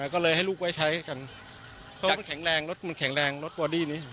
ก็เลยให้ลูกไว้ใช้กันเพราะมันแข็งแรงรถมันแข็งแรงรถบอดี้นี้